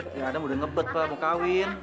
hehehe ya udah ngebet mau kawin